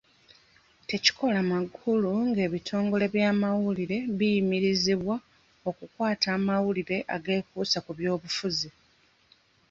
Tekikola makulu ng'ebitongole by'amawulire biyimirizibwa okukwata amasulire ageekuusa ku byobufuzi.